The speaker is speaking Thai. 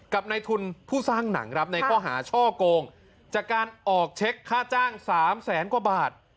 ในทุนผู้สร้างหนังครับในข้อหาช่อโกงจากการออกเช็คค่าจ้าง๓แสนกว่าบาท